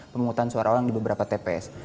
pemungutan suara orang di beberapa tps